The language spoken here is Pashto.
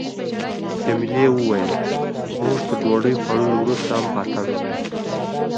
جميلې وويل: موږ تر ډوډۍ خوړلو وروسته هم پاتېږو.